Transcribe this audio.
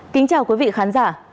kính chào quý vị khán giả